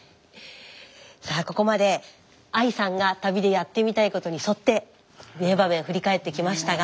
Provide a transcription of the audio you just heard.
さあここまでＡＩさんが旅でやってみたいことに沿って名場面振り返ってきましたが。